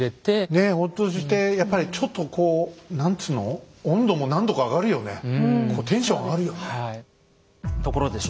ねえほっとしてやっぱりちょっとこう何ていうの温度も何度か上がるよねこうテンション上がるよね。